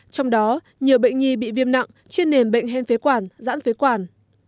trong đó nhiều bệnh nhi bị viêm nặng chiên nền bệnh hen phế quản dãn phế quản